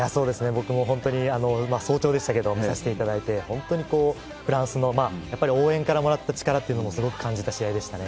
僕も本当に、早朝でしたけどね、見させていただいて、本当にフランスの応援からもらった力というのもすごく感じた試合でしたね。